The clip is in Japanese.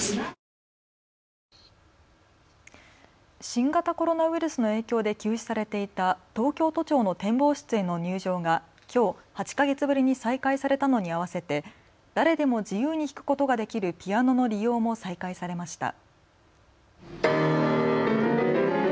新型コロナウイルスの影響で休止されていた東京都庁の展望室への入場がきょう８か月ぶりに再開されたのに合わせて誰でも自由に弾くことができるピアノの利用も再開されました。